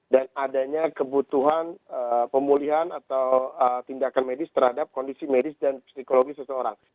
dan adanya kebutuhan pemulihan atau tindakan medis terhadap kondisi medis dan psikologi seseorang